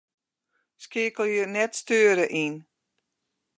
Skeakelje 'net steure' yn.